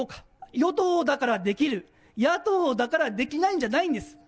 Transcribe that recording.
与党だからできる、野党だからできないんじゃないんです。